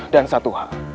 dan satu hal